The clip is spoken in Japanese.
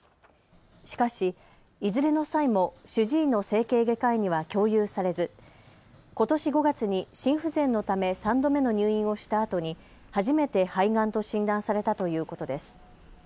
しかし、いずれの際も主治医の整形外科医には共有されずことし５月に心不全のため３度目の入院をしたあとに初めて肺がんと診断されたということです。